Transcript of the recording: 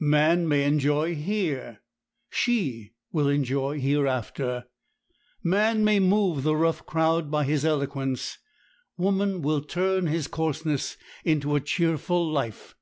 Man may enjoy here, she will enjoy hereafter. Man may move the rough crowd by his eloquence, woman will turn his coarseness into a cheerful life.